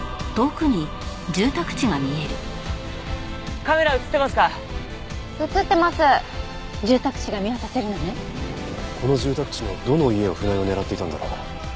この住宅地のどの家を船井は狙っていたんだろう？